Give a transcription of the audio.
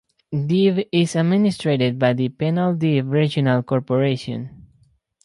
Debe is administered by the Penal-Debe Regional Corporation.